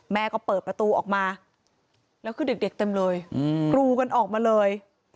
แม่ก็เปิดประตูออกมาแล้วคือเด็กเต็มเลยกรูกันออกมาเลย